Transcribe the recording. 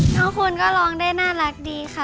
ทุกคนก็ร้องได้น่ารักดีค่ะ